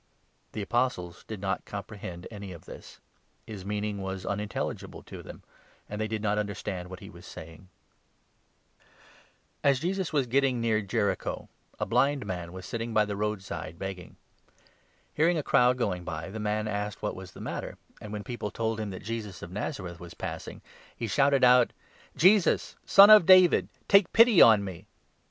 The Apostles did not comprehend any of this ; his meaning was unintelligible to them, and they did not understand what he was saying. *> Exod. ao. la— 16. 38 Hos. 6. a. LUKE, 18 19. 147 Cure of ^S Jesus was gating near Jericho, a blind man 35 a blind was sitting by the road side, begging. Hearing 36 Man a crowd going by, the man asked what was the matter ; and, when people told him that Jesus of Nazareth was 37 passing, he shouted out : 38 "Jesus, Son of David, take pity on me